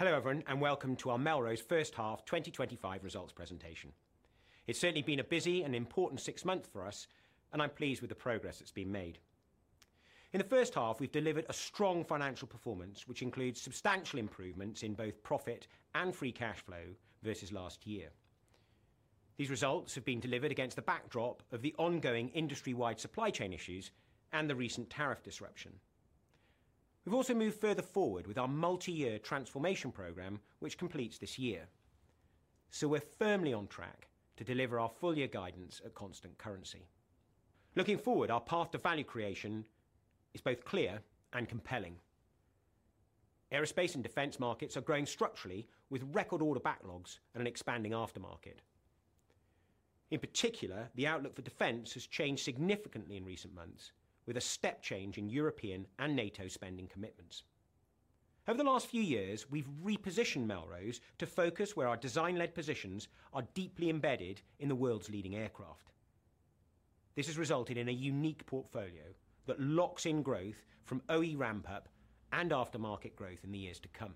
Hello everyone and welcome to our Melrose First Half 2025 Results Presentation. It's certainly been a busy and important six months for us and I'm pleased with the progress that's been made. In the first half we've delivered a strong financial performance, which includes substantial improvements in both profit and free cash flow versus last year. These results have been delivered against the backdrop of the ongoing industry-wide supply chain issues and the recent tariff disruption. We've also moved further forward with our multi-year transformation program, which completes this year. We're firmly on track to deliver our full-year guidance at constant currency. Looking forward, our path to value creation is both clear and compelling. Aerospace and defense markets are growing structurally with record order backlogs and an expanding aftermarket. In particular, the outlook for defense has changed significantly in recent months with a step change in European and NATO spending commitments. Over the last few years we've repositioned Melrose to focus where our design-led positions are deeply embedded in the world's leading aircraft. This has resulted in a unique portfolio that locks in growth from OE ramp-up and aftermarket growth in the years to come.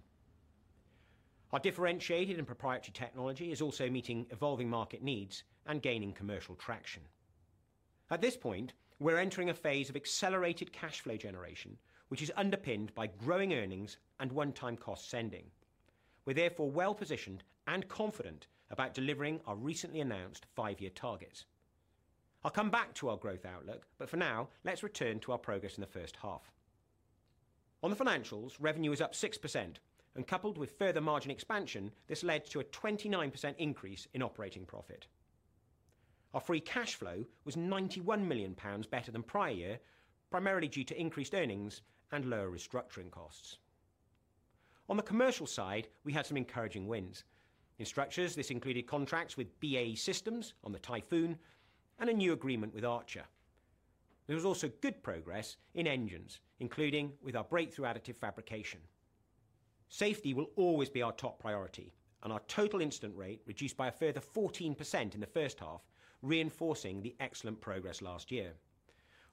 Our differentiated and proprietary technology is also meeting evolving market needs and gaining commercial traction. At this point we're entering a phase of accelerated cash flow generation, which is underpinned by growing earnings and one-time cost sending. We're therefore well-positioned and confident about delivering our recently announced five-year targets. I'll come back to our growth outlook, but for now let's return to our progress in the first half. On the financials. Revenue is up 6% and, coupled with further margin expansion, this led to a 29% increase in operating profit. Our free cash flow was 91 million pounds better than prior year, primarily due to increased earnings and lower restructuring costs. On the commercial side, we had some encouraging wins in Structures. This included contracts with BAE Systems on the Typhoon and a new agreement with Archer. There was also good progress in Engines, including with our breakthrough additive fabrication. Safety will always be our top priority and our total incident rate reduced by a further 14% in the first half, reinforcing the excellent progress last year.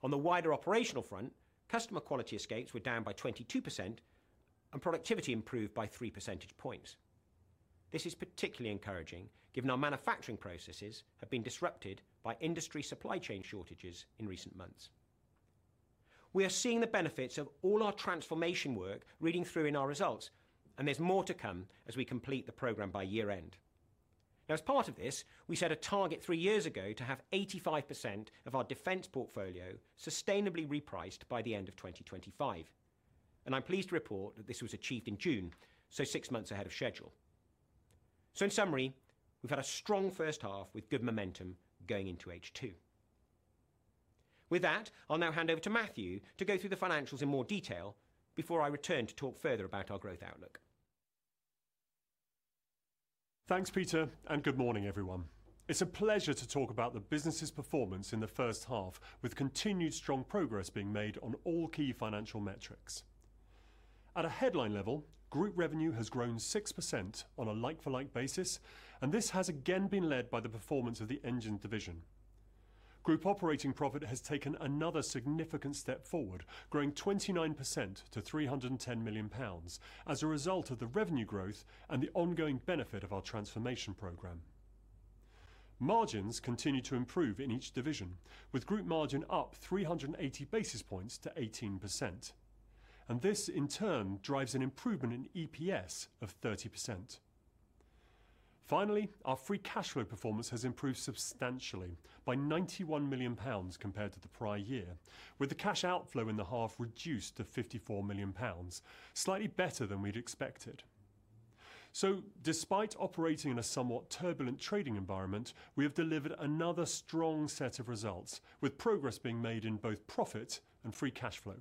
On the wider operational front, customer quality escapes were down by 22% and productivity improved by 3 percentage points. This is particularly encouraging given our manufacturing processes have been disrupted by industry supply chain shortages in recent months. We are seeing the benefits of all our transformation work reading through in our results and there's more to come as we complete the programme by year end. As part of this we set a target three years ago to have 85% of our defense portfolio sustainably repriced by the end of 2025. I'm pleased to report that this was achieved in June, six months ahead of schedule. So in summary, we've had a strong first half with good momentum going into H2. With that, I'll now hand over to Matthew to go through the financials in more detail before I return to talk further about our growth outlook. Thanks, Peter, and good morning everyone. It's a pleasure to talk about the business's performance in the first half, with continued strong progress being made on all key financial metrics. At a headline level, Group revenue has grown 6% on a like-for-like basis and this has again been led by the performance of the Engines division. Group operating profit has taken another significant step forward, growing 29% to 310 million pounds. As a result of the revenue growth and the ongoing benefit of our transformation program, margins continue to improve in each division, with Group margin up 380 basis points to 18%, and this in turn drives an improvement in EPS of 30%. Finally, our free cash flow performance has improved substantially by 91 million pounds compared to the prior year, with the cash outflow in the half reduced to 54 million pounds, slightly better than we'd expected. So despite operating in a somewhat turbulent trading environment, we have delivered another strong set of results with progress being made in both profit and free cash flow.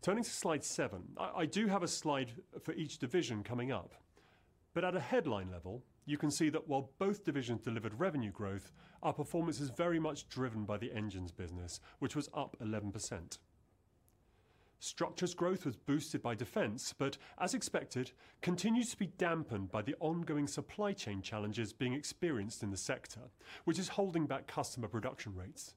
Turning to slide 7, I do have a slide for each division coming up, but at a headline level you can see that while both divisions delivered revenue growth, our performance is very much driven by the Engines business which was up 11%. Structures' growth was boosted by defense, but as expected, continues to be dampened by the ongoing supply chain challenges being experienced in the sector, which is holding back customer production rates.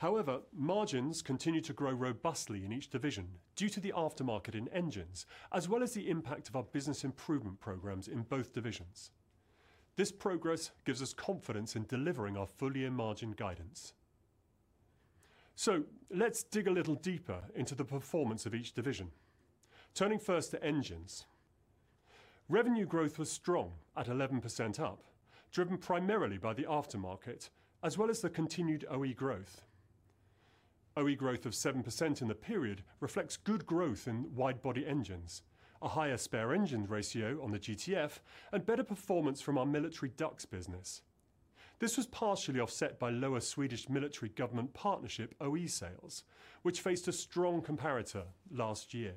However, margins continue to grow robustly in each division due to the aftermarket in Engines as well as the impact of our business improvement programs in both divisions. This progress gives us confidence in delivering our full-year margin guidance. So let's dig a little deeper into the performance of each division. Turning first to Engines, revenue growth was strong at 11% up, driven primarily by the aftermarket as well as the continued OE growth. OE growth of 7% in the period reflects good growth in widebody engines, a higher spare engine ratio on the GTF and better performance from our Military Ducts business. This was partially offset by lower Swedish military government partnership OE sales which faced a strong comparator last year.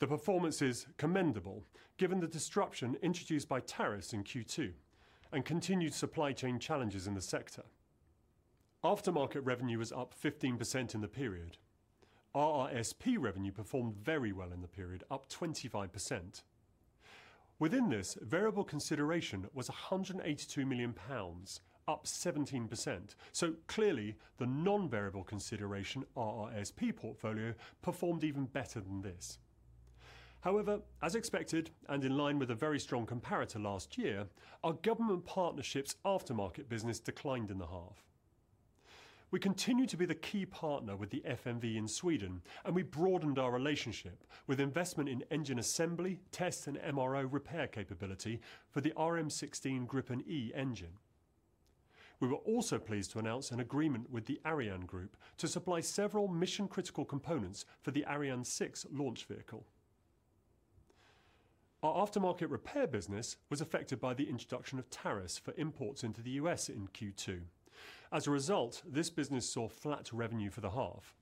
The performance is commendable given the disruption introduced by tariffs in Q2 and continued supply chain challenges in the sector. Aftermarket revenue was up 15% in the period. RRSP revenue performed very well in the period, up 25%. Within this variable consideration was 182 million pounds, up 17%. Clearly, the non-variable consideration RRSP portfolio performed even better than this. However, as expected and in line with a very strong comparator last year, our government partnerships aftermarket business declined in the half. We continue to be the key partner with the FMV in Sweden, and we broadened our relationship with investment in Engine assembly, test, and MRO repair capability for the RM16 Gripen-E engine. We were also pleased to announce an agreement with ArianeGroup to supply several mission-critical components for the Ariane 6 launch vehicle. Our aftermarket repair business was affected by the introduction of tariffs for imports into the U.S. in Q2. As a result, this business saw flat revenue for the half.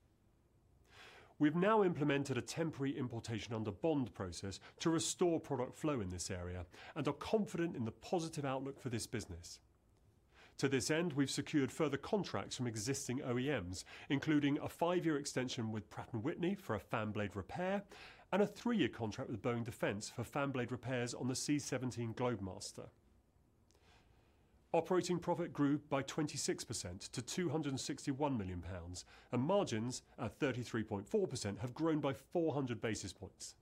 We have now implemented a temporary importation under bond process to restore product flow in this area and are confident in the positive outlook for this business. To this end, we've secured further contracts from existing OEMs, including a five-year extension with Pratt & Whitney for a fan blade repair and a three-year contract with Boeing Defense for fan blade repairs on the C-17 Globemaster. Operating profit grew by 26% to 261 million pounds, and margins at 33.4% have grown by 400 basis points.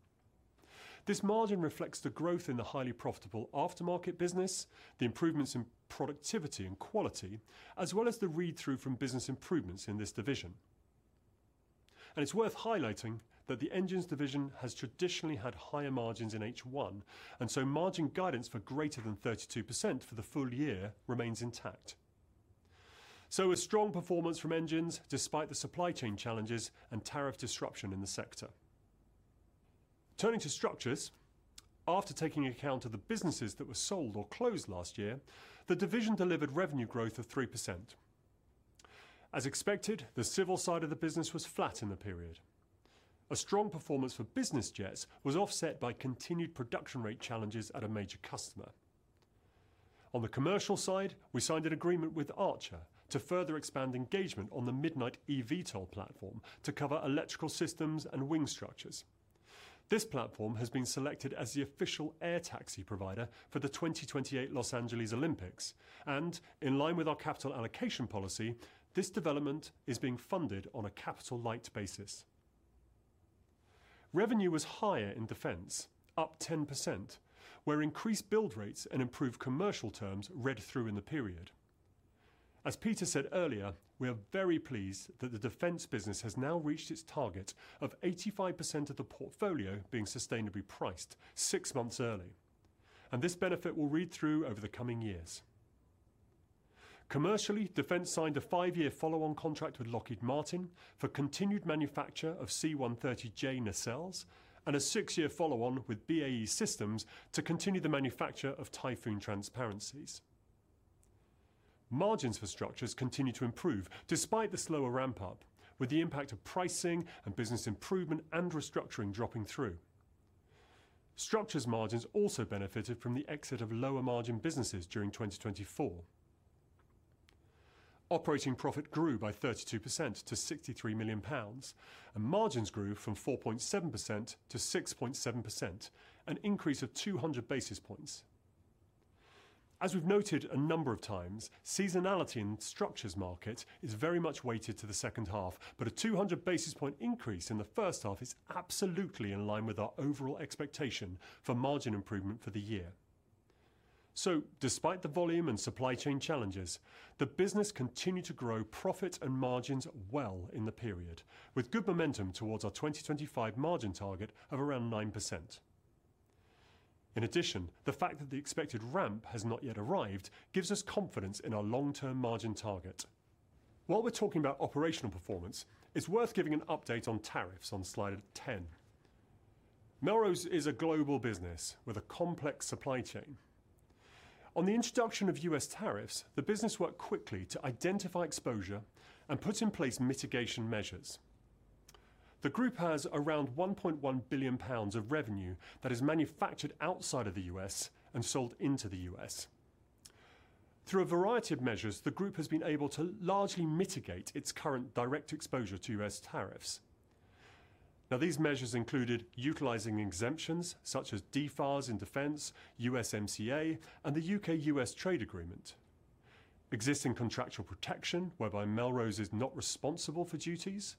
This margin reflects the growth in the highly profitable aftermarket business, the improvements in productivity and quality, as well as the read-through from business improvements in this division. It is worth highlighting that the Engines division has traditionally had higher margins in H1, and margin guidance for greater than 32% for the full year remains intact. This is a strong performance from Engines despite the supply chain challenges and tariff disruption in the sector. Turning to Structures, after taking account of the businesses that were sold or closed last year, the division delivered revenue growth of 3%. As expected, the civil side of the business was flat in the period. A strong performance for business jets was offset by continued production rate challenges at a major customer. On the commercial side, we signed an agreement with Archer to further expand engagement on the Midnight eVTOL platform to cover electrical systems and wing structures. This platform has been selected as the official air taxi provider for the 2028 Los Angeles Olympics, and in line with our capital allocation policy, this development is being funded on a capital-light basis. Revenue was higher in defense, up 10%, where increased build rates and improved commercial terms read through in the period. As Peter said earlier, we are very pleased that the defense business has now reached its target of 85% of the portfolio being sustainably priced six months early, and this benefit will read through over the coming years. Commercially, Defense signed a five-year follow-on contract with Lockheed Martin for continued manufacture of C130J nacelles and a six-year follow-on with BAE Systems to continue the manufacture of Typhoon transparencies. Margins for Structures continue to improve despite the slower ramp-up, with the impact of pricing and business improvement and restructuring dropping through. Structures' margins also benefited from the exit of lower-margin businesses during 2024. Operating profit grew by 32% to 63 million pounds, and margins grew from 4.7%-6.7%, an increase of 200 basis points. As we've noted a number of times, seasonality in the Structures market is very much weighted to the second half, but a 200 basis point increase in the first half is absolutely in line with our overall expectation for margin improvement for the year. So despite the volume and supply chain challenges, the business continued to grow profit and margins well in the period with good momentum towards our 2025 margin target of around 9%. In addition, the fact that the expected ramp has not yet arrived gives us confidence in our long-term margin target. While we're talking about operational performance, it's worth giving an update on tariffs on slide 10. Melrose is a global business with a complex supply chain. On the introduction of U.S. tariffs, the business worked quickly to identify exposure and put in place mitigation measures. The Group has around 1.1 billion pounds of revenue that is manufactured outside of the U.S. and sold into the U.S. Through a variety of measures, the Group has been able to largely mitigate its current direct exposure to U.S. tariffs. These measures included utilizing exemptions such as DFARS in defense, USMCA, and the U.K.-U.S. Trade Agreement, existing contractual protection whereby Melrose is not responsible for duties,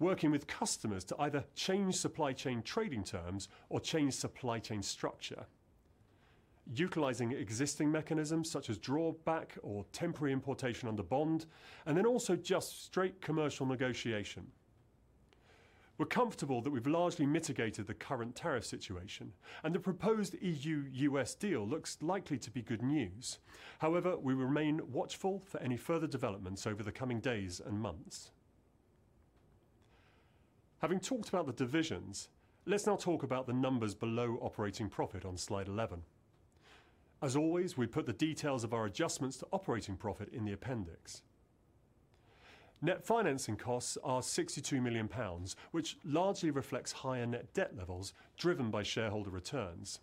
working with customers to either change supply chain trading terms or change supply chain structure, utilizing existing mechanisms such as drawback or temporary importation under bond, and then also just straight commercial negotiation. We're comfortable that we've largely mitigated the current tariff situation and the proposed EU-U.S. deal looks likely to be good news. However, we remain watchful for any further developments over the coming days and months. Having talked about the divisions, let's now talk about the numbers below operating profit on slide 11. As always, we put the details of our adjustments to operating profit in the appendix. Net financing costs are 62 million pounds, which largely reflects higher net debt levels driven by shareholder returns.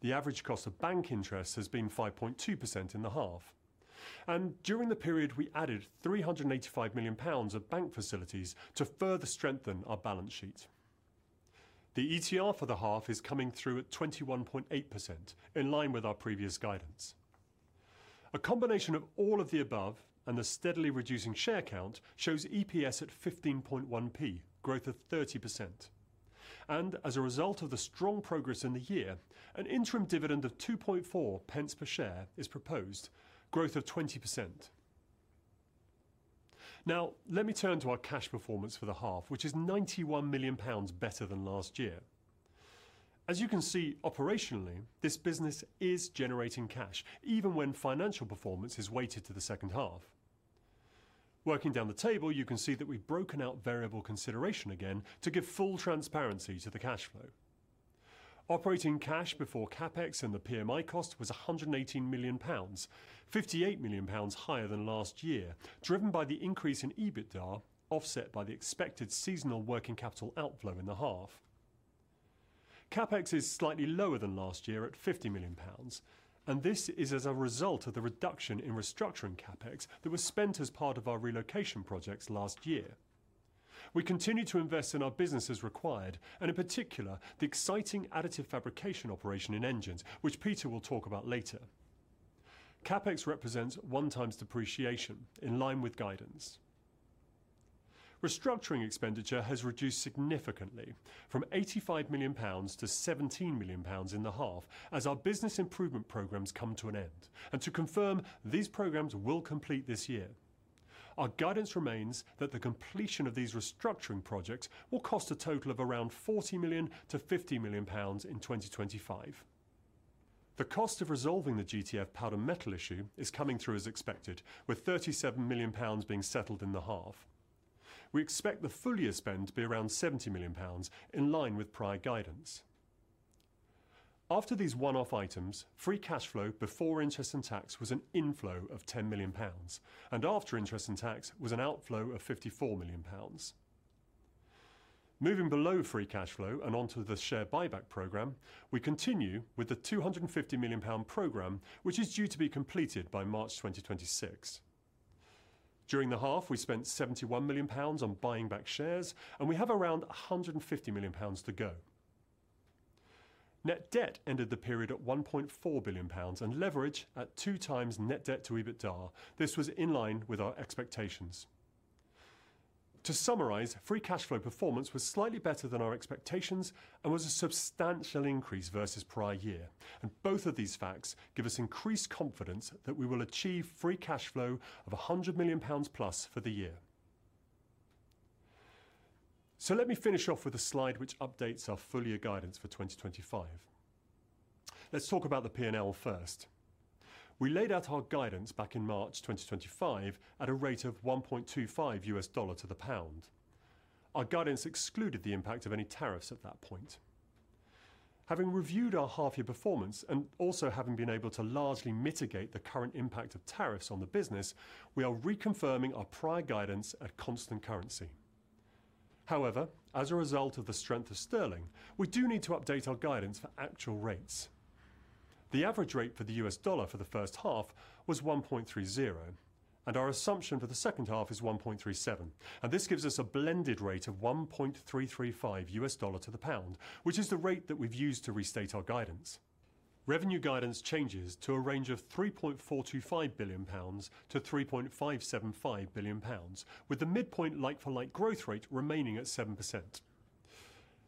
The average cost of bank interest has been 5.2% in the half and during the period we added 385 million pounds of bank facilities to further strengthen our balance sheet. The ETR for the half is coming through at 21.8% in line with our previous guidance. A combination of all of the above and the steadily reducing share count shows EPS at 0.151, growth of 30%. As a result of the strong progress in the year, an interim dividend of 0.024 is proposed, growth of 20%. Now let me turn to our cash performance for the half, which is 91 million pounds better than last year. As you can see, operationally this business is generating cash even when financial performance is weighted to the second half. Working down the table, you can see that we've broken out variable consideration again to give full transparency to the cash flow. Operating cash before CapEx and the PMI cost was 118 million pounds, 58 million pounds higher than last year, driven by the increase in EBITDA offset by the expected seasonal working capital outflow in the half. CapEx is slightly lower than last year at 50 million pounds. This is as a result of the reduction in restructuring CapEx that was spent as part of our relocation projects last year. We continue to invest in our business as required and in particular the exciting additive fabrication operation in Engines, which Peter will talk about later. CapEx represents 1x depreciation. In line with guidance, restructuring expenditure has reduced significantly from 85 million-17 million pounds in the half as our business improvement programmes come to an end. To confirm, these programmes will complete this year. Our guidance remains that the completion of these restructuring projects will cost a total of around 40 million-50 million pounds in 2025. The cost of resolving the GTF powder metal issue is coming through as expected. With 37 million pounds being settled in the half, we expect the full year spend to be around 70 million pounds, in line with prior guidance. After these one-off items, free cash flow before interest and tax was an inflow of 10 million pounds, and after interest and tax was an outflow of 54 million pounds. Moving below free cash flow and onto the share buyback program, we continue with the 250 million pound program which is due to be completed by March 2026. During the half, we spent 71 million pounds on buying back shares and we have around 150 million pounds to go. Net debt ended the period at 1.4 billion pounds and leverage at 2x net debt to EBITDA. This was in line with our expectations. To summarize, free cash flow performance was slightly better than our expectations and was a substantial increase versus prior year. Both of these facts give us increased confidence that we will achieve free cash flow of 100 million pounds+ for the year. Let me finish off with a slide which updates our full-year guidance for 2025. Let's talk about the P&L first. We laid out our guidance back in March 2025 at a rate of $1.25 to the pound. Our guidance excluded the impact of any tariffs at that point. Having reviewed our half-year performance and also having been able to largely mitigate the current impact of tariffs on the business, we are reconfirming our prior guidance at constant currency. However, as a result of the strength of sterling, we do need to update our guidance for actual rates. The average rate for the U.S. dollar for the first half was $1.30 and our assumption for the second half is $1.37. This gives us a blended rate of $1.335 U.S. to the pound, which is the rate that we've used to restate our guidance. Revenue guidance changes to a range of 3.425 billion-3.575 billion pounds, with the midpoint like-for-like growth rate remaining at 7%.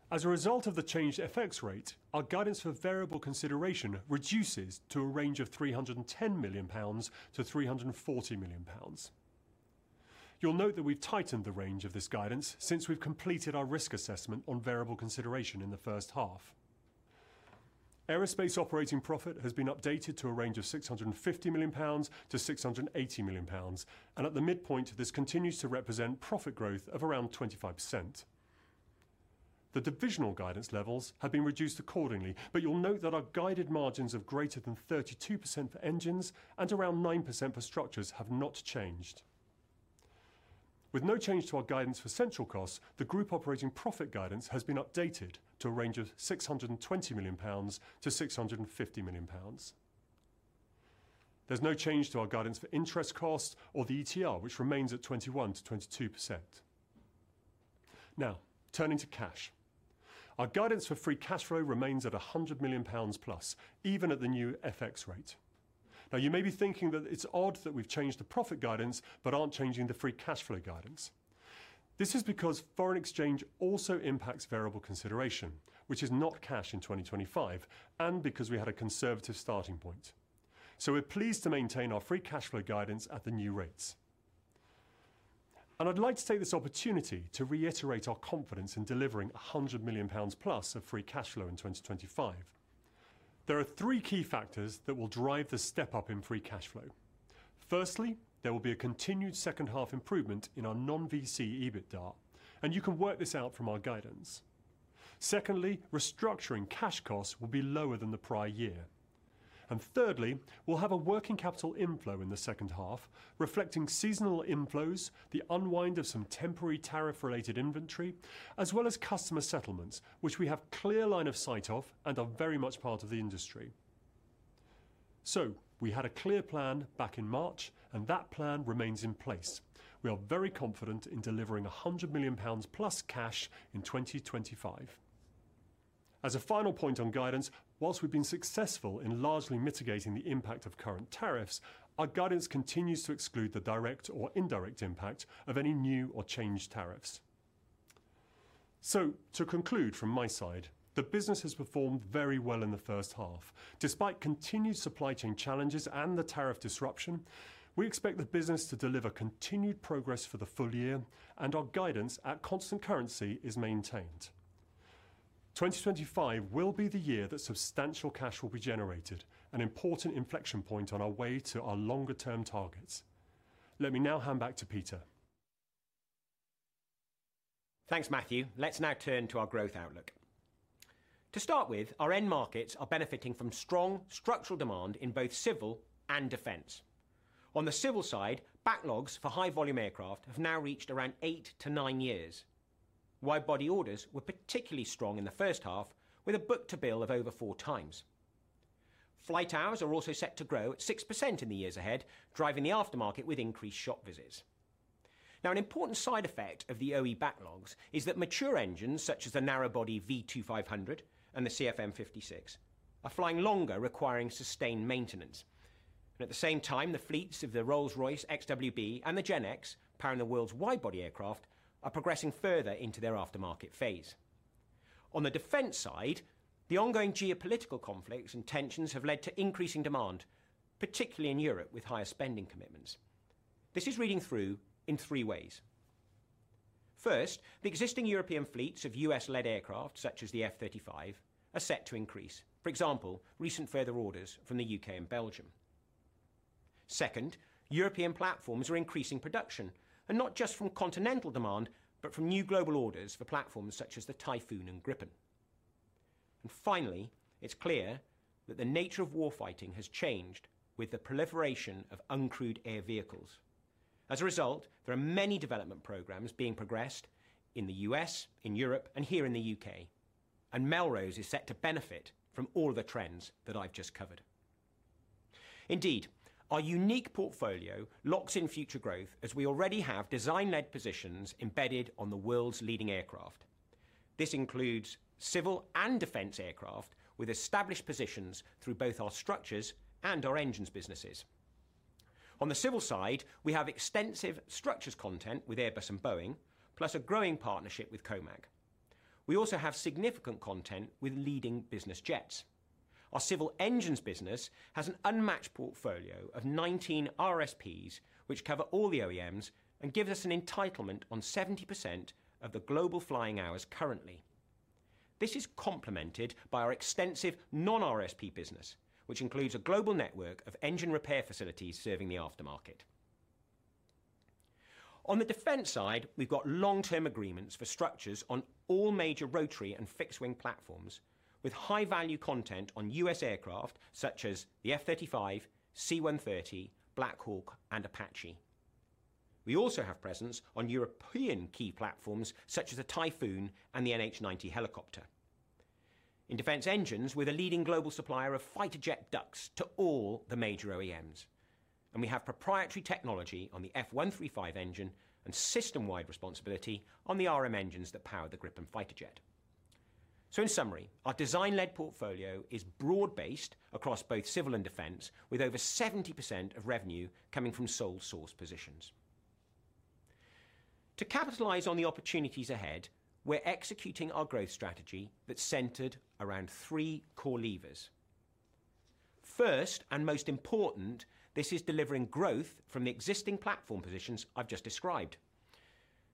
As a result of the changed FX rate. Our guidance for variable consideration reduces to a range of 310 million-340 million pounds. You'll note that we've tightened the range of this guidance since we've completed our risk assessment on variable consideration. In the first half, Aerospace operating profit has been updated to a range of 650 million-680 million pounds, and at the midpoint this continues to represent profit growth of around 25%. The divisional guidance levels have been reduced accordingly. You'll note that our guided margins of greater than 32% for Engines and around 9% for Structures have not changed. With no change to our guidance for central costs, the Group operating profit guidance has been updated to a range of 620 million-650 million pounds. There's no change to our guidance for interest cost or the ETR which remains at 21%-22%. Now, turning to cash, our guidance for free cash flow remains at 100 million pounds+ even at the new FX rate. You may be thinking that it's odd that we've changed the profit guidance, but aren't changing the free cash flow guidance. This is because foreign exchange also impacts variable consideration, which is not cash in 2025 and because we had a conservative starting point. We're pleased to maintain our free cash flow guidance at the new rates and I'd like to take this opportunity to reiterate our confidence in delivering 100 million pounds+ of free cash flow in 2025. There are three key factors that will drive the step up in free cash flow. Firstly, there will be a continued second -half improvement in our non-VC EBITDA and you can work this out from our guidance. Secondly, restructuring cash costs will be lower than the prior year and thirdly we'll have a working capital inflow in the second half reflecting seasonal inflows, the unwinding of some temporary tariff-related inventory as well as customer settlements which we have clear line of sight of and are very much part of the industry. We had a clear plan back in March and that plan remains in place. We are very confident in delivering 100 million pounds+ cash in 2025. As a final point on guidance, whilst we've been successful in largely mitigating the impact of current tariffs, our guidance continues to exclude the direct or indirect impact of any new or changed tariffs. To conclude from my side, the business has performed very well in the first half despite continued supply chain challenges and the tariff disruption. We expect the business to deliver continued progress for the full year and our guidance at constant currency is maintained. 2025 will be the year that substantial cash will be generated, an important inflection point on our way to our longer-term targets. Let me now hand back to Peter. Thanks, Matthew. Let's now turn to our growth outlook. To start with, our end markets are benefiting from strong structural demand in both civil and defense. On the civil side, backlogs for high-volume aircraft have now reached around 8-9 years. Widebody orders were particularly strong in the first half with a book-to-bill of over 4x. Flight hours are also set to grow at 6% in the years ahead, driving the aftermarket with increased shop visits. An important side effect of the OE backlogs is that mature engines such as the narrowbody V2500 and the CFM56 are flying longer, requiring sustained maintenance. At the same time, the fleets of the Rolls-Royce XWB and the GEnx powering the world's widebody aircraft are progressing further into their aftermarket phase. On the defense side, the ongoing geopolitical conflicts and tensions have led to increasing demand, particularly in Europe with higher spending commitments. This is reading through in three ways. First, the existing European fleets of U.S.-led aircraft such as the F-35 are set to increase, for example, recent further orders from the U.K. and Belgium. Second, European platforms are increasing production, and not just from continental demand, but from new global orders for platforms such as the Typhoon and Gripen. Finally, it's clear that the nature of warfighting has changed with the proliferation of uncrewed air vehicles. As a result, there are many development programs being progressed in the U.S., in Europe, and here in the U.K., and Melrose is set to benefit from all the trends that I've just covered. Indeed, our unique portfolio locks in future growth as we already have design-led positions embedded on the world's leading aircraft. This includes civil and defense aircraft with established positions through both our Structures and our Engines businesses. On the civil side, we have extensive Structures content with Airbus and Boeing, plus a growing partnership with COMAC. We also have significant content with leading business jets. Our civil Engines business has an unmatched portfolio of 19 RRSPs which cover all the OEMs and gives us an entitlement on 70% of the global flying hours. Currently, this is complemented by our extensive non-RRSP business, which includes a global network of engine repair facilities serving the aftermarket. On the defense side, we've got long-term agreements for Structures on all major rotary and fixed-wing platforms with high-value content on U.S. aircraft such as the F-35, C-130, Black Hawk, and Apache. We also have presence on European key platforms such as the Typhoon and the NH90 helicopter. In defense engines, we're the leading global supplier of fighter jet ducts to all the major OEMs and we have proprietary technology on the F135 engine system, wide responsibility on the RM engines that power the Gripen fighter jet. In summary, our design-led portfolio is broad-based across both civil and defense with over 70% of revenue coming from sole-source positions. To capitalize on the opportunities ahead, we're executing our growth strategy that's centered around three core levers. First and most important, this is delivering growth from the existing platform positions I've just described.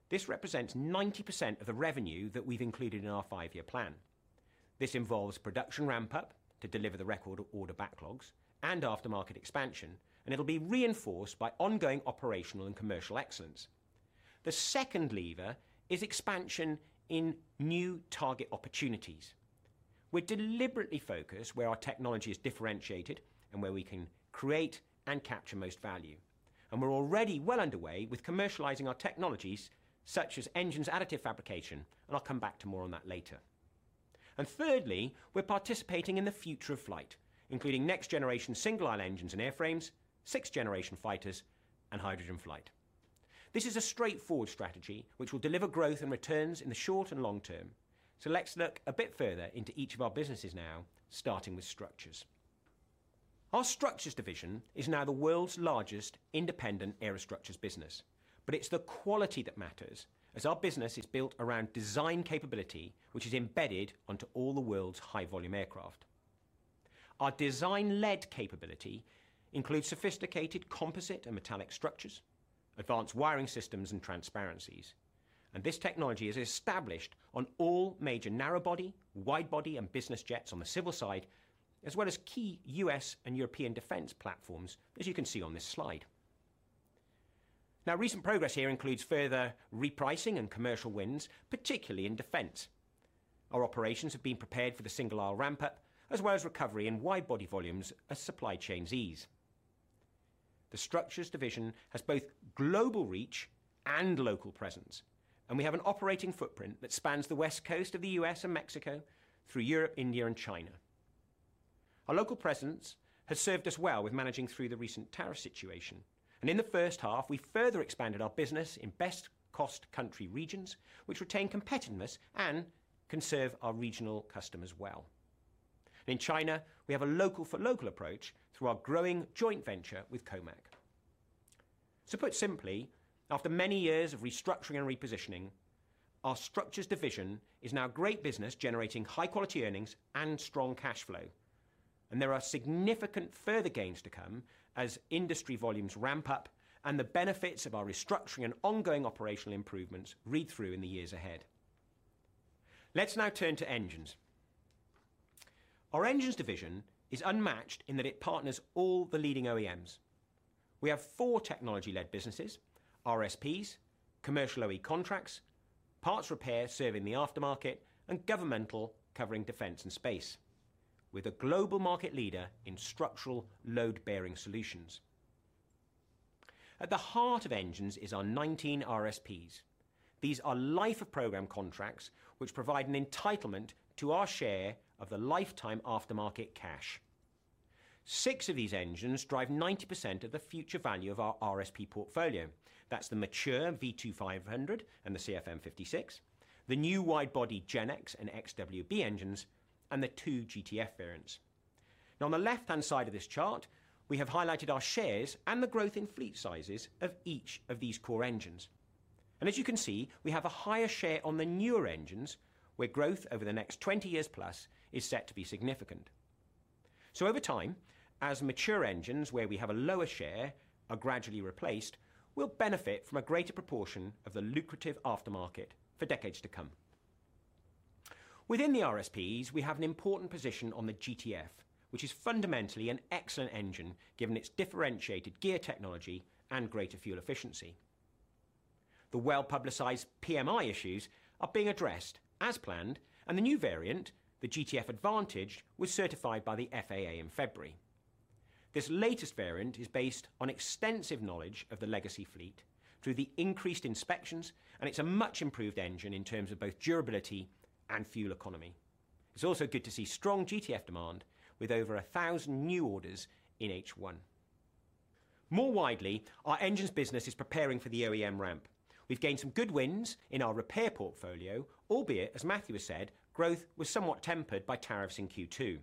This represents 90% of the revenue that we've included in our five-year plan. This involves production ramp-up to deliver the record order backlogs and aftermarket expansion, and it'll be reinforced by ongoing operational and commercial excellence. The second lever is expansion in new target opportunities. We're deliberately focused where our technology is differentiated and where we can create and capture most value. We're already well underway with commercializing our technologies such as Engines, additive fabrication, and I'll come back to more on that later. Thirdly, we're participating in the future of flight including next-generation single-aisle engines and airframes, sixth-generation fighters, and hydrogen flight. This is a straightforward strategy which will deliver growth and returns in the short and long term. Let's look a bit further into each of our businesses now starting with Structures. Our Structures division is now the world's largest independent aerostructures business, but it's the quality that matters as our business is built around design capability which is embedded onto all the world's high volume aircraft. Our design-led capability includes sophisticated composite and metallic structures, advanced wiring systems, and transparencies, and this technology is established on all major narrowbody, widebody, and business jets on the civil side as well as key U.S. and European defense platforms, as you can see on this slide. Now, recent progress here includes further repricing and commercial wins, particularly in defense. Our operations have been prepared for the single-aisle ramp-up as well as recovery in widebody volumes as supply chains ease. The Structures division has both global reach, local presence, and we have an operating footprint that spans the West Coast of the U.S. and Mexico through Europe, India, and China. Our local presence has served us well with managing through the recent tariff situation, and in the first half we further expanded our business in best cost country regions which retain competitiveness and can serve our regional customers well. In China, we have a local for local approach through our growing joint venture with COMAC. Put simply, after many years of restructuring and repositioning, our Structures division is now a great business generating high-quality earnings and strong cash flow. There are significant further gains to come as industry volumes ramp-up and the benefits of our restructuring and ongoing operational improvements read through in the years ahead. Let's now turn to Engines. Our Engines division is unmatched in that it partners all the leading OEMs. We have four technology-led businesses: RRSPs, commercial OE contracts, parts repair serving the aftermarket, and governmental covering defense and space with a global market leader in structural load-bearing solutions. At the heart of Engines is our 19 RRSPs. These are life-of-program contracts which provide an entitlement to our share of the lifetime aftermarket cash. Six of these engines drive 90% of the future value of our RRSP portfolio. That's the mature V2500 and the CFM56, the new widebody GEnx and XWB engines, and the two GTF variants. On the left hand side of this chart, we have highlighted our shares and the growth in fleet sizes of each of these core engines. As you can see, we have a higher share on the newer engines where growth over the next 20 years+ is set to be significant. Over time, as mature engines where we have a lower share are gradually replaced, we'll benefit from a greater proportion of the lucrative aftermarket for decades to come. Within the RRSPs, we have an important position on the GTF, which is fundamentally an excellent engine given its differentiated gear technology and greater fuel efficiency. The well-publicized PMI issues are being addressed as planned, and the new variant, the GTF Advantage, was certified by the FAA in February. This latest variant is based on extensive knowledge of the legacy fleet through the increased inspections and it's a much improved engine in terms of both durability and fuel economy. It's also good to see strong GTF demand with over 1,000 new orders in H1. More widely, our engines business is preparing for the OEM ramp. We've gained some good wins in our repair portfolio, albeit as Matthew said, growth was somewhat tempered by tariffs in Q2.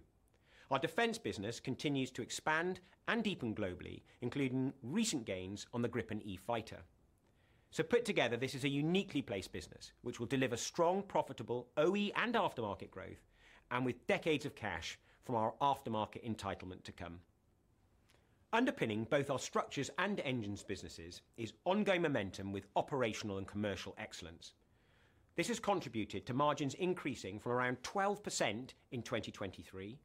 Our defense business continues to expand and deepen globally, including recent gains on the Gripen E fighter. Put together, this is a uniquely placed business which will deliver strong profitable OE and aftermarket growth and with decades of cash from our aftermarket entitlement to come. Underpinning both our Structures and Engines businesses is ongoing momentum with operational and commercial excellence. This has contributed to margins increasing from around 12% in 2023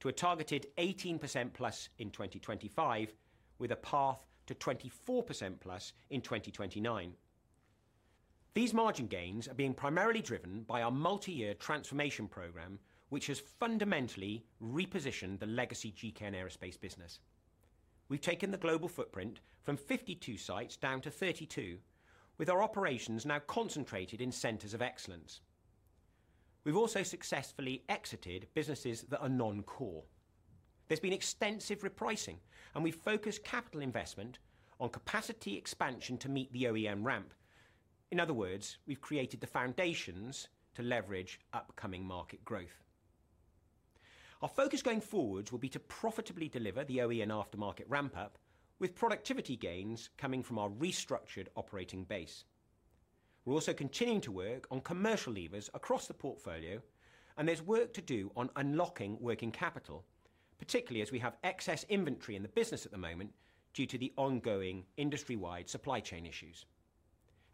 to a targeted 18%+ in 2025 with a path to 24%+ in 2029. These margin gains are being primarily driven by our multi-year transformation program which has fundamentally repositioned the legacy GKN Aerospace business. We've taken the global footprint from 52 sites down to 32 with our operations now concentrated in centers of excellence. We've also successfully exited businesses that are non-core. There's been extensive repricing and we focused capital investment on capacity expansion to meet the OEM ramp. In other words, we've created the foundations to leverage upcoming market growth. Our focus going forwards will be to profitably deliver the OEM aftermarket ramp-up, with productivity gains coming from our restructured operating base. We're also continuing to work on commercial levers across the portfolio and there's work to do on unlocking working capital, particularly as we have excess inventory in the business at the moment due to the ongoing industry-wide supply chain issues.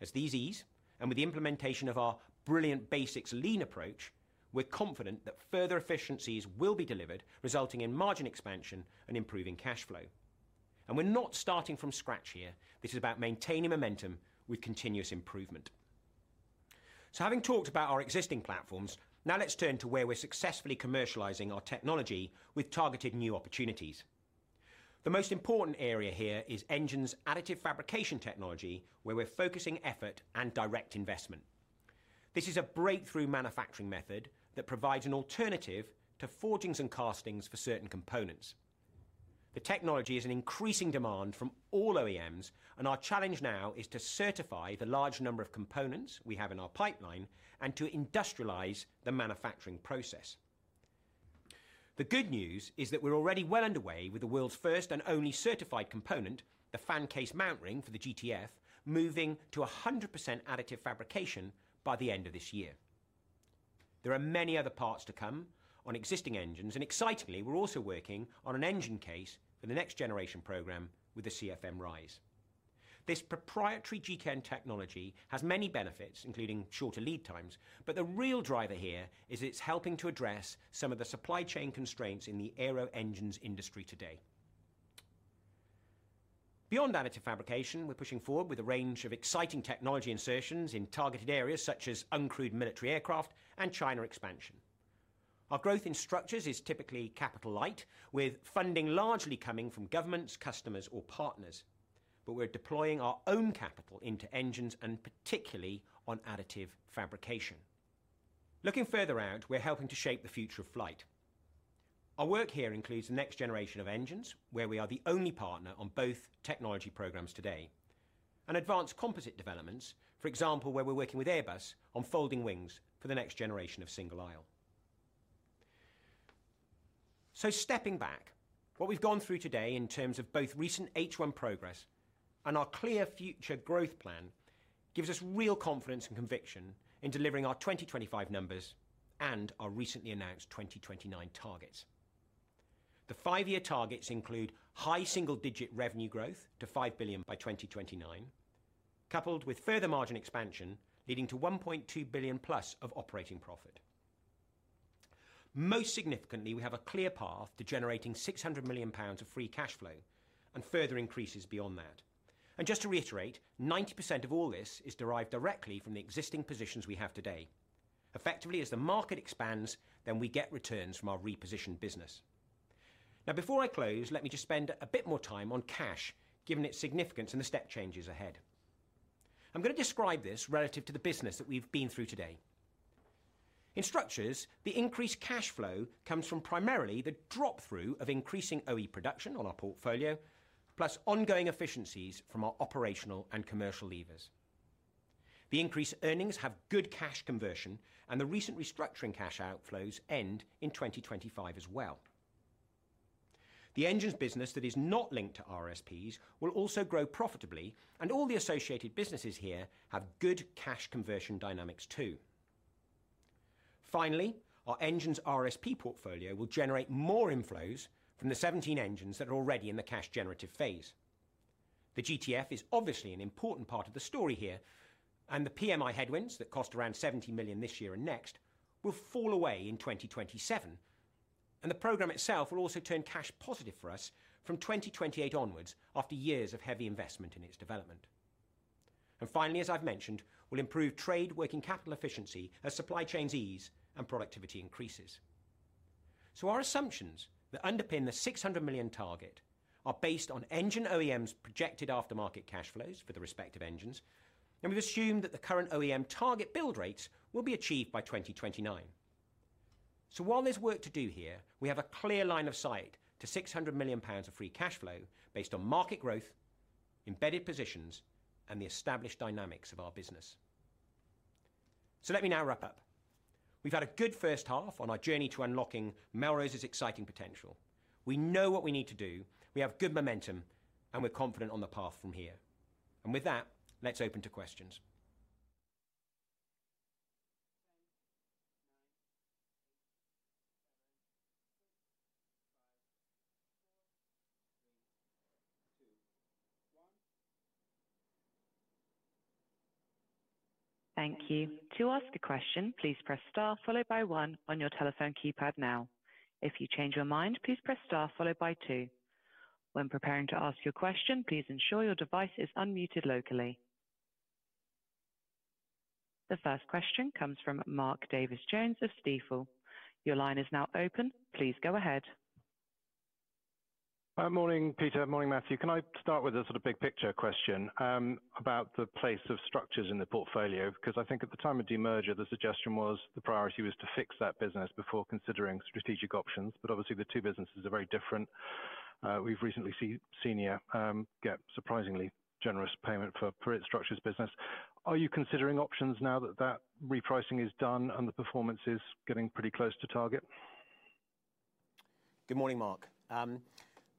As these ease and with the implementation of our brilliant basics lean approach, we're confident that further efficiencies will be delivered resulting in margin expansion and improving cash flow. We're not starting from scratch here. This is about maintaining momentum with continuous improvement. Having talked about our existing platforms, now let's turn to where we're successfully commercializing our technology with targeted new opportunities. The most important area here is Engines' additive fabrication technology, where we're focusing effort and direct investment. This is a breakthrough manufacturing method that provides an alternative to forgings and castings for certain components. The technology is an increasing demand from all OEMs and our challenge now is to certify the large number of components we have in our pipeline and to industrialize the manufacturing process. The good news is that we're already well underway with the world's first and only certified component, the fan case mount ring for the GTF, moving to 100% additive fabrication by the end of this year. There are many other parts to come on existing engines and excitingly, we're also working on an engine case for the next generation program with the CFM RISE. This proprietary GKN technology has many benefits, including shorter lead times. The real driver here is it's helping to address some of the supply chain constraints in the aero engines industry today. Beyond additive fabrication, we're pushing forward with a range of exciting technology insertions in targeted areas such as uncrewed military aircraft and China expansion. Our growth in Structures is typically capital-light, with funding largely coming from governments, customers, or partners. We're deploying our own capital into Engines and particularly on additive fabrication. Looking further out, we're helping to shape the future of flight. Our work here includes the next generation of Engines, where we are the only partner on both technology programs today and advanced composite developments, for example, where we're working with Airbus on folding wings for the next generation of single aisle. Stepping back, what we've gone through today in terms of both recent H1 progress and our clear future growth plan gives us real confidence and conviction in delivering our 2025 numbers and our recently announced 2029 targets. The five-year targets include high single-digit revenue growth to 5 billion by 2029, coupled with further margin expansion leading to 1.2 billion+ of operating profit. Most significantly, we have a clear path to generating 600 million pounds of free cash flow and further increases beyond that. Just to reiterate, 90% of all this is derived directly from the existing positions we have today. Effectively, as the market expands, then we get returns from our repositioned business. Now, before I close, let me just spend a bit more time on cash. Given its significance and the step changes ahead, I'm going to describe this relative to the business that we've been through today. In Structures the increased cash flow comes from primarily the drop through of increasing OE production on our portfolio, plus ongoing efficiencies from our operational and commercial levers. The increased earnings have good cash conversion, and the recent restructuring cash outflows end in 2025 as well. The Engines business that is not linked to RRSPs will also grow profitably, and all the associated businesses here have good cash conversion dynamics too. Finally, our Engines RRSP portfolio will generate more inflows from the 17 engines that are already in the cash generative phase. The GTF is obviously an important part of the story here, and the PMI headwinds that cost around 70 million this year and next will fall away in 2027. The program itself will also turn cash positive for us from 2028 onwards after years of heavy investment in its development. Finally, as I've mentioned, we'll improve trade working capital efficiency as supply chains ease and productivity increases. Our assumptions that underpin the 600 million target are based on Engine OEM's projected aftermarket cash flows for the respective engines, and we've assumed that the current OEM target build rates will be achieved by 2029. While there's work to do here, we have a clear line of sight to 600 million pounds of free cash flow based on market growth, embedded positions, and the established dynamics of our business. Let me now wrap up. We've had a good first half on our journey to unlocking Melrose's exciting potential. We know what we need to do, we have good momentum, and we're confident on the path from here. With that, let's open to questions. Thank you. To ask a question, please press star followed by one on your telephone keypad now. If you change your mind, please press star followed by two. When preparing to ask your question, please ensure your device is unmuted locally. The first question comes from Mark Davies Jones of Stifel. Your line is now open. Please go ahead. Morning, Peter. Morning, Matthew. Can I start with a sort of big picture question about the place of Structures in the portfolio? Because I think at the time of demerger, the suggestion was the priority was to fix that business before considering strategic options. Obviously, the two businesses are very different. We've recently seen Senior get surprisingly generous payment for its Structures business. Are you considering options now that that repricing is done and the performance is getting pretty close to target? Good morning, Mark.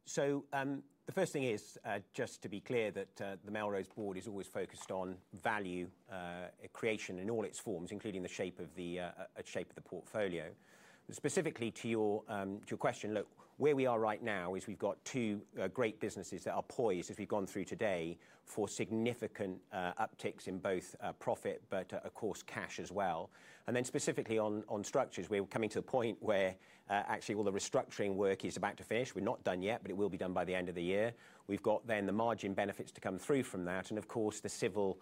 So the first thing is just to be clear that the Melrose Board is always focused on value creation in all its forms, including the shape of the portfolio. Specifically to your question, look where we are right now is we've got two great businesses that are poised as we've gone through today for significant upticks in both profit, but of course cash as well. Specifically on Structures, we were coming to the point where actually all the restructuring work is about to be finished. We're not done yet, but it will be done by the end of the year. We've got then the margin benefits to come through from that, and of course the civil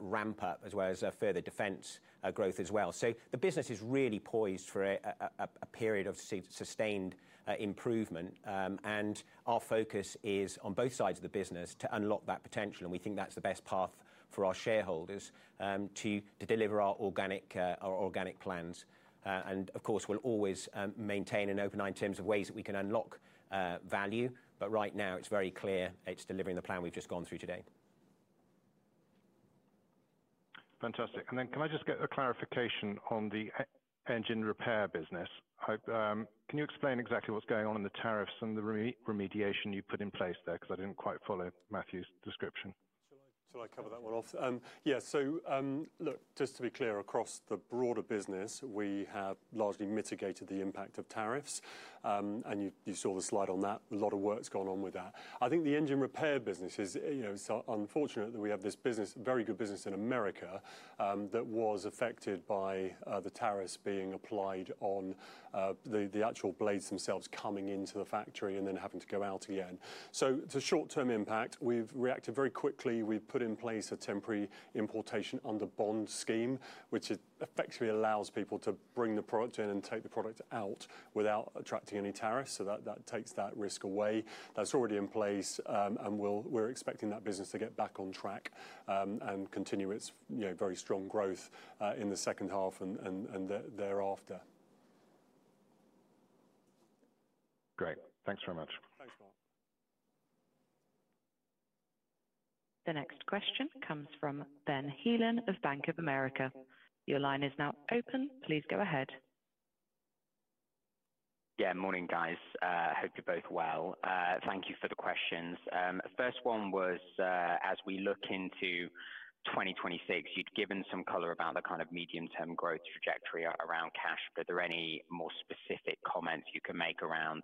ramp-up as well as further defense growth as well. The business is really poised for a period of sustained improvement and our focus is on both sides of the business to unlock that potential. We think that's the best path for our shareholders to deliver our organic plans. And of courese we'll always maintain an open eye in terms of ways that we can unlock value. Right now it's very clear it's delivering the plan we've just gone through today. Fantastic. Can I just get a clarification on the Engine Repair business? Can you explain exactly what's going on in the tariffs and the remediation you put in place there? I didn't quite follow Matthew's description. Shall I cover that one off? Yes. So just to be clear, across the broader business we have largely mitigated the impact of tariffs and you saw the slide on that. A lot of work has gone on with that. I think the Engine Repair business is unfortunate that we have this business, very good business in the America that was affected by the tariffs being applied on the actual blades themselves coming into the factory and then having to go out again. It's a short-term impact. We've reacted very quickly. We've put in place a temporary importation under bond scheme, which effectively allows people to bring the product in and take the product out without attracting any tariffs. That takes that risk away. That's already in place and we're expecting that business to get back on track and continue its very strong growth in the second half and thereafter. Great, thanks very much. Thanks, Mark. The next question comes from Ben Heelan of Bank of America. Your line is now open. Please go ahead. Yeah, morning guys. Hope you're both well. Thank you for the questions. First one was as we look into 2026, you'd given some color about the kind of medium-term growth trajectory around cash. Are there any more specific comments you can make around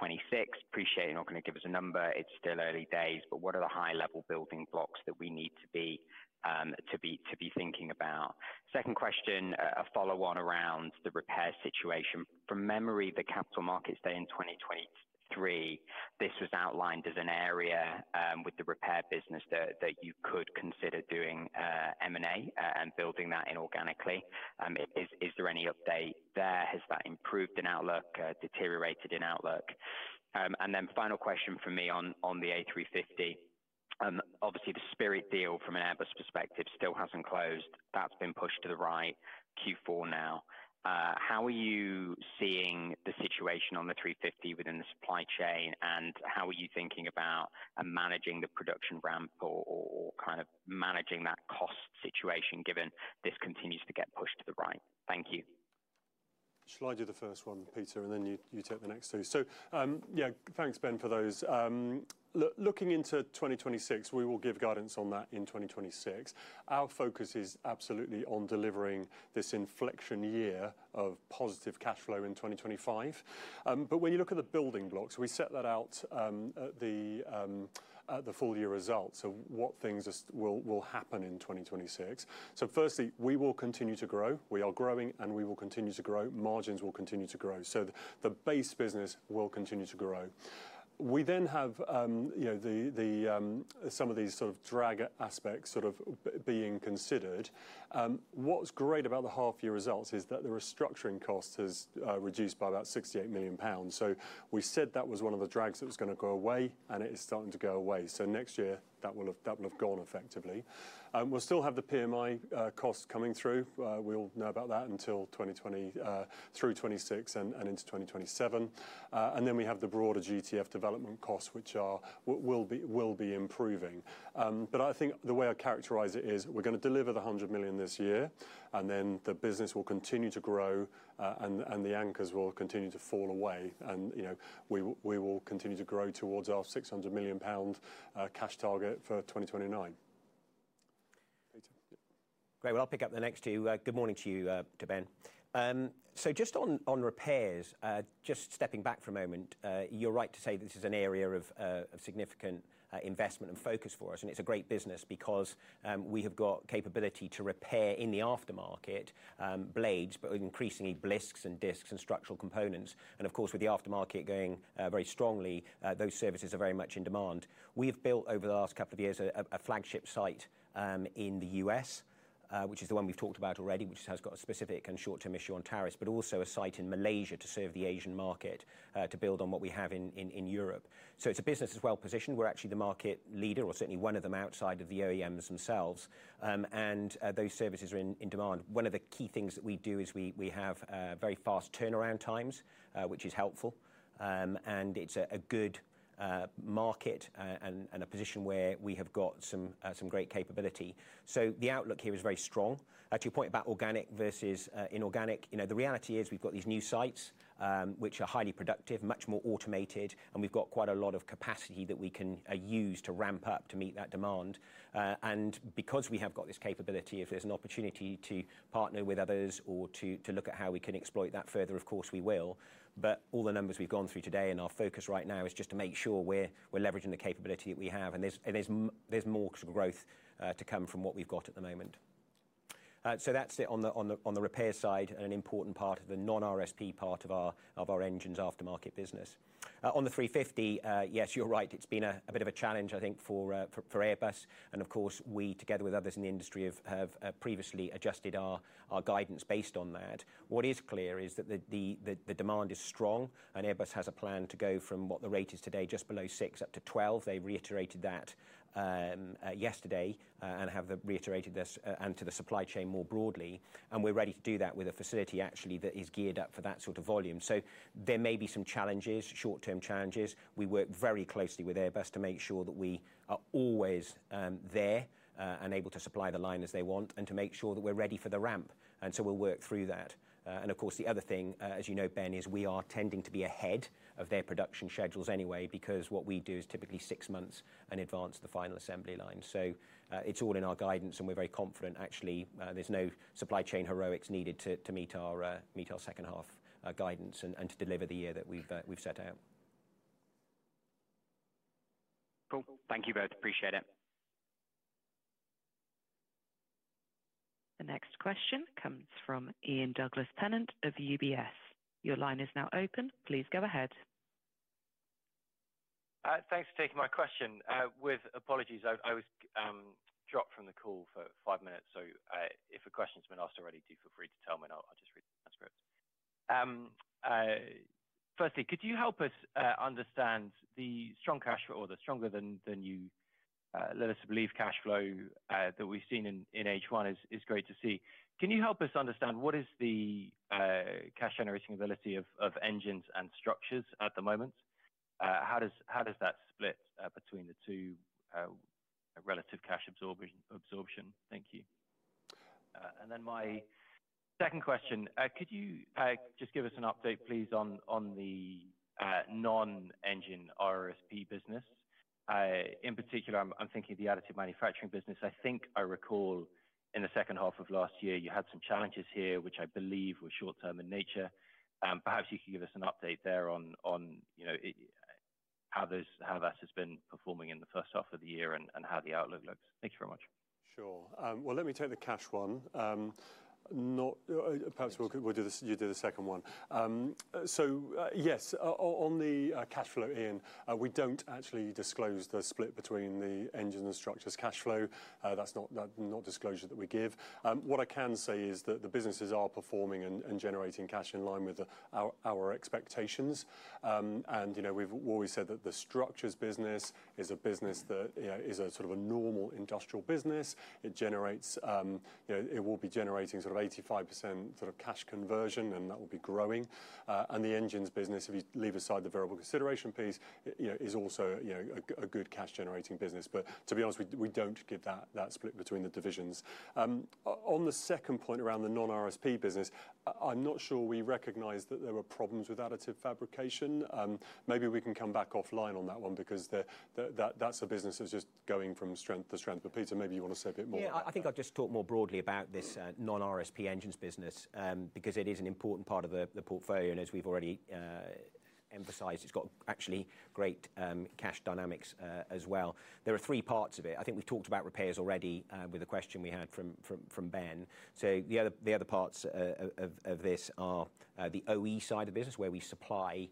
2026? Appreciate you're not going to give us a number. It's still early days, but what are the high-level building blocks that we need to be thinking about? Second question, a follow on around the repair situation. From memory, the Capital Markets Day in 2023, this was outlined as an area with the Repair business that you could consider doing M&A and building that inorganically. Is there any update there? Has that improved in outlook, deteriorated in outlook? Then final question for me on the A350, obviously the Spirit deal from an Airbus perspective still hasn't closed. That's been pushed to the right, Q4 now. How are you seeing the situation on the A350 within the supply chain and how are you thinking about managing the production ramp or managing that cost situation given this continues to get pushed to the right? Thank you. Shall I do the first one, Peter, and then you take the next two? Yeah, thanks Ben. For those looking into 2026, we will give guidance on that in 2026. Our focus is absolutely on delivering this inflection year of positive cash flow in 2025. When you look at the building blocks, we set that out at the full-year results of what things will happen in 2026. So firstly, we will continue to grow. We are growing and we will continue to grow. Margins will continue to grow. So the base business will continue to grow. We then have some of these sort of drag aspects being considered. What's great about the half-year results is that the restructuring cost has reduced by about 68 million pounds. So we said that was one of the drags that was going to go away and it is starting to go away. So next year that will have double, have gone effectively. We'll still have the PMI costs coming through, we all know about that until 2026 and into 2027. We have the broader GTF development costs which will be improving. I think the way I characterize it is we're going to deliver the 100 million this year and then the business will continue to grow and the anchors will continue to fall away and we will continue to grow towards our 600 million pound cash target for 2029. Great. I'll pick up the next two. Good morning to you, Ben. On repairs, the. Just stepping back for a moment. You're right to say this is an area of significant investment and focus for us, and it's a great business because we have got capability to repair in the aftermarket blades, but increasingly bliss and discs and structural components. Of course, with the aftermarket going very strongly, those services are very much in demand. We have built over the last couple of years a flagship site in the U.S., which is the one we've talked about already, which has got a specific and short-term issue on tariffs, but also a site in Malaysia to serve the Asian market, to build on what we have in Europe. It's a business as well-positioned. We're actually the market leader or certainly one of them outside of the OEMs themselves, and those services are in demand. One of the key things that we do is we have very fast turnaround times, which is helpful, and it's a good market and a position where we have got some great capability. The outlook here is very strong. To your point about organic versus inorganic, the reality is we've got these new sites which are highly productive, much more automated, and we've got quite a lot of capacity that we can use to ramp-up to meet that demand. Because we have got this capability, if there's an opportunity to partner with others or to look at how we can exploit that further, of course we will. All the numbers we've gone through today and our focus right now is just to make sure we're leveraging the capability that we have, and there's more growth to come from what we've got at the moment. That's it on the repair side and an important part of the non-RRSP part of our Engines Aftermarket business. On the A350, yes, you're right, it's been a bit of a challenge I think for Airbus, and of course we together with others in the industry have previously adjusted our guidance based on that. What is clear is that the demand is strong, and Airbus has a plan to go from what the rate is today, just below 6, up to 12. They reiterated that yesterday and have reiterated this to the supply chain more broadly. We're ready to do that with a facility actually that is geared up for that sort of volume. Sp there may be some challenges, short-term challenges. We work very closely with Airbus to make sure that we are always there and able to supply the line as they want and to make sure that we're ready for the ramp. We'll work through that. Of course, the other thing, as you know, Ben, is we are tending to be ahead of their production schedules anyway, because what we do is typically six months in advance of the final assembly line. So it's all in our guidance, and we're very confident actually there's no supply chain heroics needed to meet our second half guidance and to deliver the year that we've set out. Cool. Thank you both. Appreciate it. The next question comes from Ian Douglas-Pennant of UBS. Your line is now open. Please go ahead. Thanks for taking my question. With apologies, I was dropped from the call for five minutes. So if a question has been asked already, do feel free to tell me. I'll just read the transcript. Firstly, could you help us understand the strong cash flow or the stronger than you let us believe? Cash flow that we've seen in H1 is great to see. Can you help us understand what is the cash-generating ability of Engines and Structures at the moment? How does that split between the two relative cash absorption? Thank you. And then my second question, could you just give us an update please on the non-engine RRSP business? In particular, I'm thinking of the additive manufacturing business. I think I recall in the second half of last year you had some challenges here which I believe were short-term in nature. Perhaps you could give us an update there on how that has been performing in the first half of the year and how the outlook looks. Thank you very much. Sure. Let me take the question one. Perhaps you do the second one. Yes, on the cash flow, Ian, we don't actually disclose the split between the Engines and Structures cash flow. That's not disclosure that we give. What I can say is that the businesses are performing and generating cash in line with our expectations. And we've always said that the Structures business is a business that is a sort of a normal industrial business. It generates, it will be generating sort of 85% cash conversion and that will be growing. The Engines business, if you leave aside the variable consideration piece, is also a good cash-generating business. To be honest, we don't give that split between the divisions. On the second point around the non-RRSP business, I'm not sure we recognize that there were problems with additive fabrication. Maybe we can come back offline on that one because that business is just going from strength to strength. Peter, maybe you want to say a bit more. I think I'll just talk more broadly about this non-RRSP Engines business because it is an important part of the portfolio, and as we've already emphasized, it's got actually great cash dynamics as well. There are three parts of it. I think we've talked about repairs already with a question we had from Ben. The other parts of this are the OE side of business, where we supply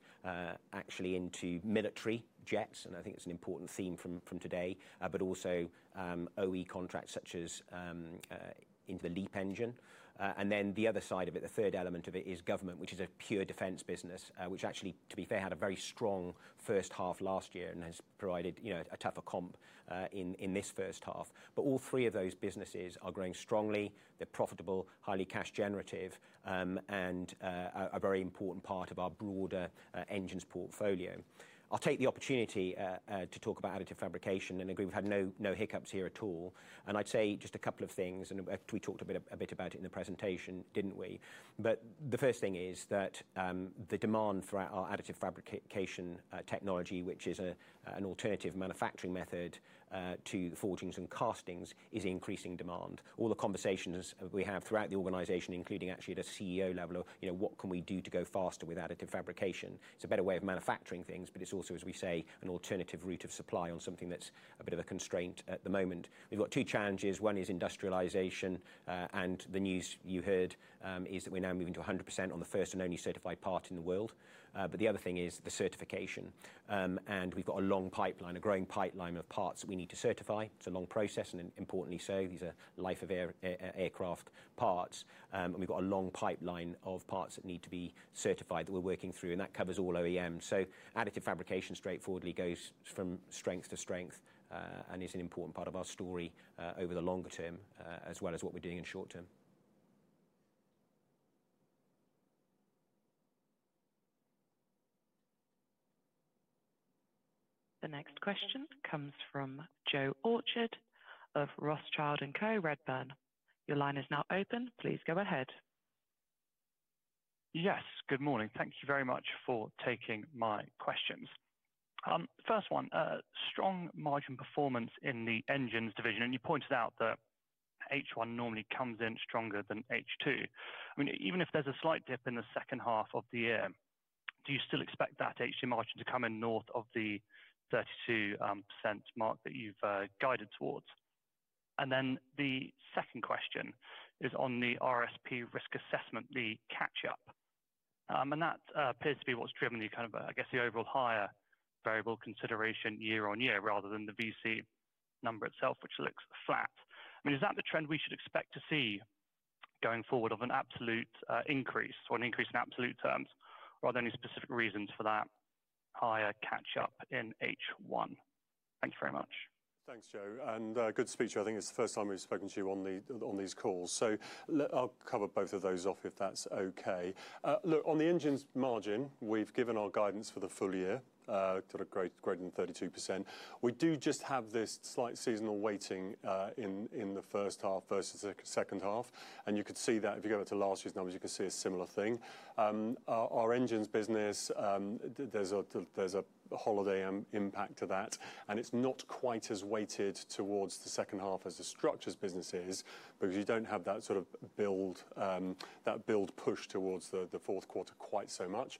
actually into military jets, and I think it's an important theme from today, but also OE contracts such as into the LEAP engine. The other side of it, the third element of it, is government, which is a pure defense business, which actually, to be fair, had a very strong first half last year and has provided a tougher comp in this first half. All three of those businesses are growing strongly, they're profitable, highly cash generative, and a very important part of our broader engines portfolio. I'll take the opportunity to talk about additive fabrication and agree we've had no hiccups here at all. I'd say just a couple of things. We talked a bit about it in the presentation, didn't we? The first thing is that the demand for our additive fabrication technology, which is an alternative manufacturing method to forgings and castings, is increasing demand. All the conversations we have throughout the organization, including actually at a CEO level of, you know, what can we do to go faster with additive fabrication? It's a better way of manufacturing things. It's also, as we say, an alternative route of supply on something that's a bit of a constraint at the moment. We've got two challenges. One is industrialization, and the news you heard is that we're now moving to 100% on the first and only certified part in the world. The other thing is the certification, and we've got a long pipeline, a growing pipeline of parts that we need to certify. It's a long process, and importantly, these are life of aircraft parts, and we've got a long pipeline of parts that need to be certified that we're working through, and that covers all OEMs. Additive fabrication straightforwardly goes from strength to strength and is an important part of our story over the longer term as well as what we're doing in the short term. The next question comes from Joe Orchard of Rothschild & Co Redburn. Your line is now open. Please go ahead. Yes, good morning. Thank you very much for taking my questions. First, one, strong margin performance in the Engines division and you pointed out that H1 normally comes in stronger than H2. Even if there's a slight dip in the second half of the year, do you still expect that H2 margin to come in north of the 32% mark that you've guided towards? The second question is on the RRSP risk assessment, the catch-up, and that appears to be what's driven the kind of, I guess, the overall higher variable consideration year-on-year, rather than the VC number itself, which looks flat. Is that the trend we should expect to see going forward of an absolute increase or an increase in absolute terms, or are there any specific reasons for that higher catch-up in H1? Thank you very much. Thanks, Joe, and good to speak to you. I think it's the first time we've spoken to you on these calls, so I'll cover both of those off if that's okay. Look, on the Engines margin, we've given our guidance for the full year growth greater than 32%. We do just have this slight seasonal weighting in the first half versus the second half. You could see that if you go to last year's numbers, you can see a similar thing. Our Engines business, there's a holiday impact to that and it's not quite as weighted towards the second half as the structures businesses because you don't have that sort of build push towards the fourth quarter quite so much.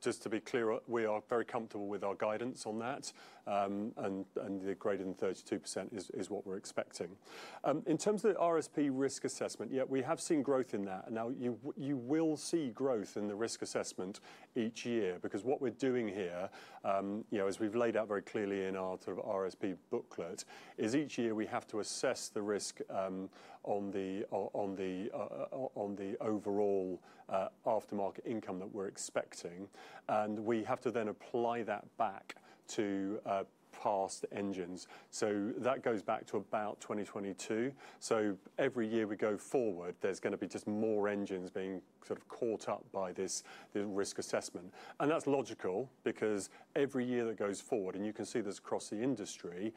Just to be clear, we are very comfortable with our guidance on that. The greater than 32% is what we're expecting. In terms of the RRSP risk assessment, we have seen growth in that. You will see growth in the risk assessment each year because what we're doing here, as we've laid out very clearly in our RRSP booklet, is each year we have to assess the risk on the overall aftermarket income that we're expecting and we have to then apply that back to past engines. That goes back to about 2022. Every year we go forward, there's going to be just more engines being sort of caught up by this risk assessment. That's logical because every year that goes forward and you can see across the industry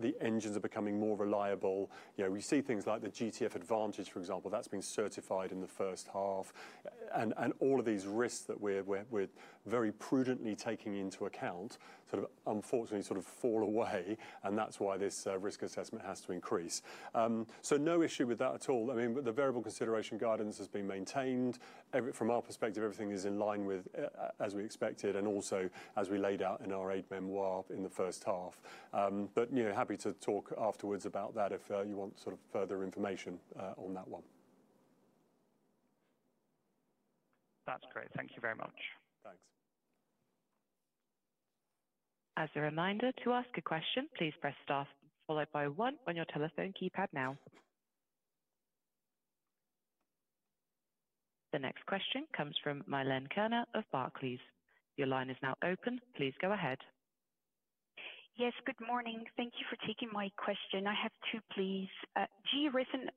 the engines are becoming more reliable. We see things like the GTF advantage, for example, that's been certified in the first half and all of these risks that we're very prudently taking into account unfortunately sort of fall away and that's why this risk assessment has to increase. No issue with that at all. The variable consideration guidance has been maintained from our perspective. Everything is in line with as we expected and also as we laid out in our aide memoire in the first half. Happy to talk afterwards about that if you want further information on that one. That's great, thank you very much. Thanks. As a reminder to ask a question, please press star followed by one on your telephone keypad now. The next question comes from Milen Koerner of Barclays. Your line is now open. Please go ahead. Yes, good morning. Thank you for taking my question. I have two, please. GE recent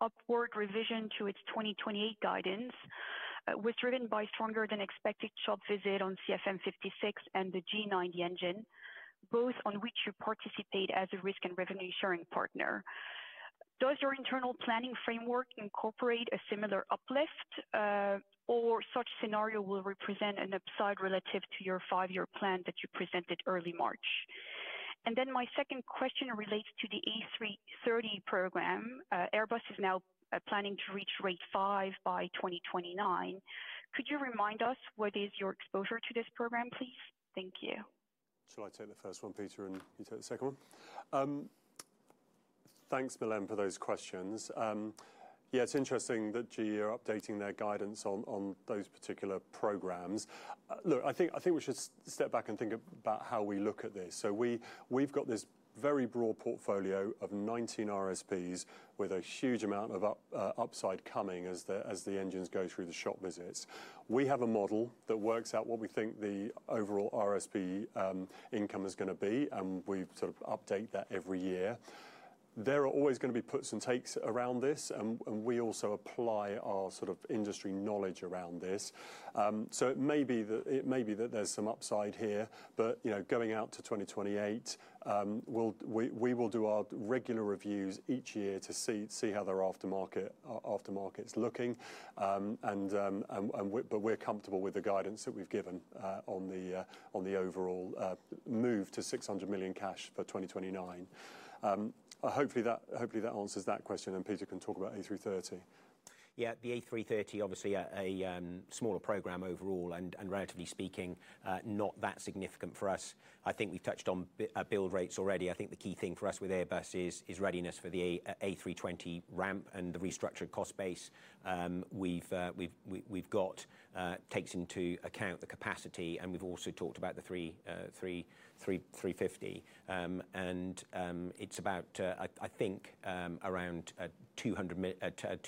upward revision to its 2028 guidance was driven by stronger-than-expected shop visit on CFM56 and the G90 engine, both on which you participate as a risk and revenue sharing partner. Does your internal planning framework incorporate a similar uplift or such scenario will represent an upside relative to your five-year plan that you presented early March. And then my second question relates to the A330 program. Airbus is now planning to reach rate 5 by 2029. Could you remind us what is your exposure to this program, please? Thank you. Shall I take the first one, Peter, and you take the second one? Thanks, Milen, for those questions. Yeah, it's interesting that GE are updating their guidance on those particular programs. Look, I think we should step back and think about how we look at this. We've got this very broad portfolio of 19 RRSPs with a huge amount of upside coming as the engines go through the shop visits. We have a model that works out what we think the overall RRSP income is going to be, and we update that every year. There are always going to be puts and takes around this, and we also apply our industry knowledge around this. So may be that there's some upside here. Going out to 2028, we will do our regular reviews each year to see how their aftermarket is looking. And we're comfortable with the guidance that we've given on the overall move to 600 million cash for 2029. Hopefully that answers that question. Peter can talk about A330. Yeah, the A330. Obviously a smaller program overall and, relatively speaking, not that significant for us. I think we've touched on build rates already. I think the key thing for us with Airbus is readiness for the A320 ramp and the restructured cost base. We've got takes into account the capacity and we've also talked about the A350, and it's about, I think, around 2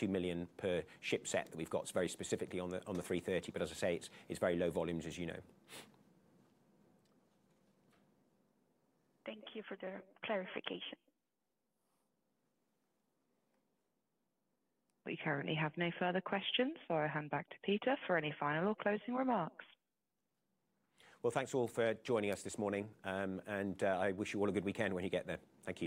million per ship set that we've got very specifically on the A330. As I say, it's very low volumes, as you know. Thank you for the clarification. We currently have no further questions. I hand back to Peter for any final or closing remarks. Thank you all for joining us this morning. I wish you all a good weekend when you get there. Thank you.